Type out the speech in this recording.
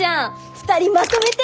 ２人まとめて！